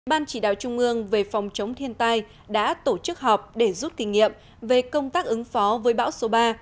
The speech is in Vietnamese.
ban chỉ đạo trung ương về phòng chống thiên tai đã tổ chức họp để rút kinh nghiệm về công tác ứng phó với bão số ba